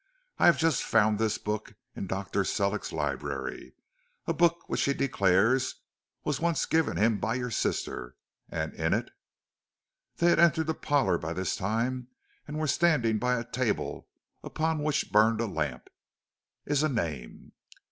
I have just found this book in Dr. Sellick's library a book which he declares was once given him by your sister and in it " They had entered the parlor by this time and were standing by a table upon which burned a lamp "is a name."